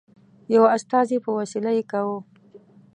یوه استازي په وسیله یې کاوه.